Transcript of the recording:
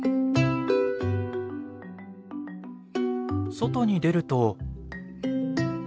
外に出ると。